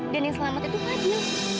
dan yang selamat itu fadil